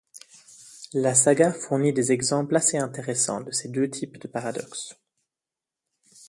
La saga fournit des exemples assez intéressants de ces deux types de paradoxes.